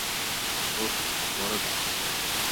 উহ, বড়টা।